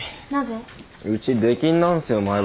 なぜ？うち出禁なんすよ